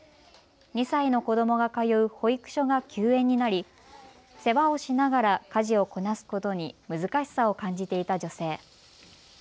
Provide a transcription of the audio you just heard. ２歳の子どもが通う保育所が休園になり世話をしながら家事をこなすことに難しさを感じていた女性。